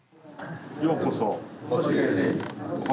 ようこそ。